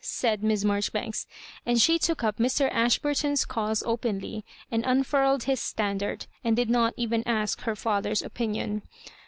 said Miss Marjoribanksi And she took up Mr. Ashburton's cause openly, and un furled his standard, and did not even ask her father's opinion.